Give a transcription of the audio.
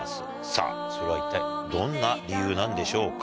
さぁそれは一体どんな理由なんでしょうか？